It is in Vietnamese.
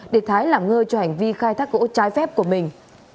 để thái làm ngơ cho hành vi khai thác gỗ trái phép của mình